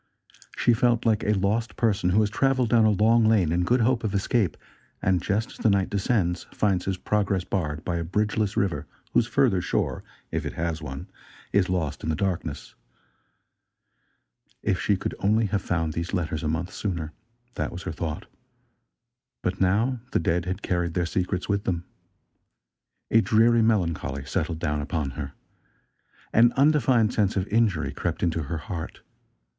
She felt like a lost person who has traveled down a long lane in good hope of escape, and, just as the night descends finds his progress barred by a bridge less river whose further shore, if it has one, is lost in the darkness. If she could only have found these letters a month sooner! That was her thought. But now the dead had carried their secrets with them. A dreary, melancholy settled down upon her. An undefined sense of injury crept into her heart.